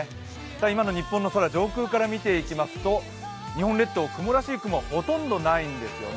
今の日本の空上空から見ていきますと日本列島、雲らしい雲はほとんどないんですよね。